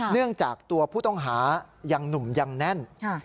เนื่องจากตัวผู้ต้องหายังหนุ่มยังแน่น